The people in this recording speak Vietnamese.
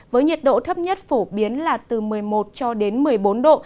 với nhiệt độ thấp nhất phổ biến là từ một mươi một cho đến một mươi bốn độ